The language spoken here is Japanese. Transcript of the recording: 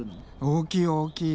大きい大きい。